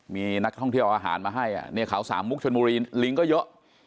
มีนักท่องเที่ยวเอาอาหารมาให้เนี่ยเขาสามมุกชนบุรีลิงก็เยอะ